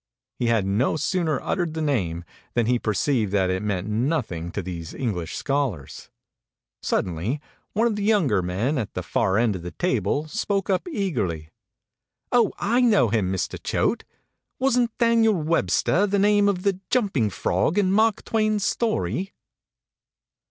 He had no sooner uttered the name, than he perceived that it meant nothing to these English scholars. Suddenly one of the younger men, at the far end of the table, spoke up eagerly. "Oh, I know him, Mr. Choate. Wasn't Daniel Web ster the name of the jumping frog in Mark Twain's story?"